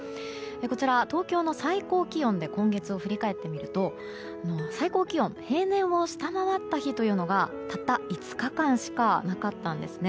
こちら、東京の最高気温で今月を振り返ってみると最高気温、平年を下回った日がたった５日間しかなかったんですね。